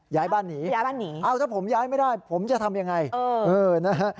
ย้ายบ้านหนีถ้าผมย้ายไม่ได้ผมจะทำอย่างไรเออนะฮะ